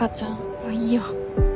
もういいよ。